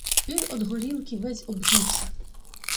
Він од горілки весь обдувся